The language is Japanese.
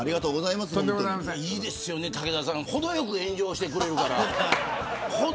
いいですよね、武田さんほどよく炎上してくれるから。